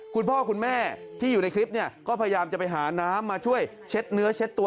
คุณพ่อคุณแม่ที่อยู่ในคลิปเนี่ยก็พยายามจะไปหาน้ำมาช่วยเช็ดเนื้อเช็ดตัว